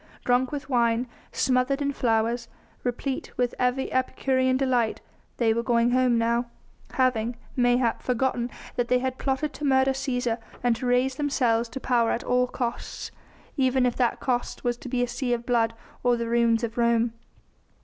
Drunk with wine, smothered in flowers, replete with every epicurean delight they were going home now, having, mayhap, forgotten that they had plotted to murder Cæsar and to raise themselves to power at all costs, even if that cost was to be a sea of blood or the ruins of Rome.